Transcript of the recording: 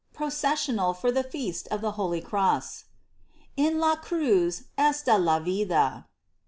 PROCESSIONAL FOR THE FEAST OF THE HOLY CROSS. En la cruz está la vida.